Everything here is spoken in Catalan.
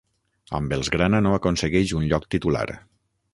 Amb els grana no aconsegueix un lloc titular.